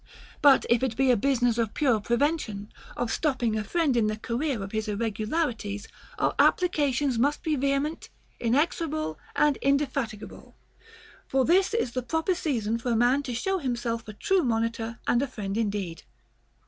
But if it be a business of pure prevention, of stopping a friend in the career of his irregularities, our applications must be vehement, inexor able, and indefatigable ; for this is the proper season for a man to show himself a true monitor and a friend indeed.